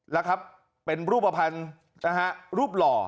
แล้วครับเป็นรูปภัณฑ์นะฮะรูปหล่อ